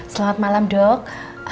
selamat malam dok